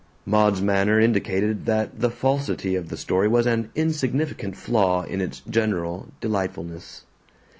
Maud's manner indicated that the falsity of the story was an insignificant flaw in its general delightfulness.